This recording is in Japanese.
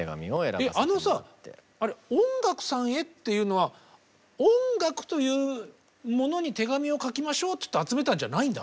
あのさあれ「音楽さんへ」っていうのは音楽というものに手紙を書きましょうって集めたんじゃないんだ。